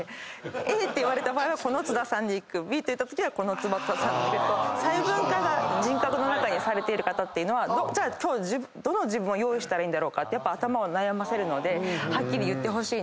Ａと言われた場合はこの津田さんＢと言ったときはこのって細分化が人格の中にされている方っていうのは今日どの自分を用意したらいいかって頭を悩ませるのではっきり言ってほしい。